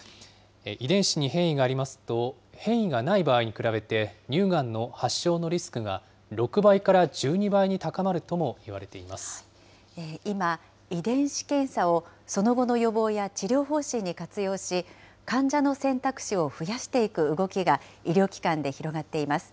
遺伝子に変異がありますと、変異がない場合に比べて、乳がんの発症のリスクが６倍から１２倍に高まるともいわれていま今、遺伝子検査をその後の予防や治療方針に活用し、患者の選択肢を増やしていく動きが医療機関で広がっています。